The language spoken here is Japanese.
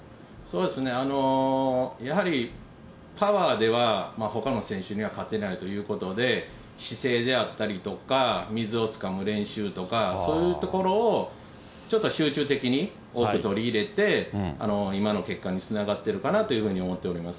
やはりパワーではほかの選手には勝てないということで、姿勢であったりとか、水をつかむ練習とか、そういうところをちょっと集中的に多く取り入れて、今の結果につながってるかなというふうには思っております。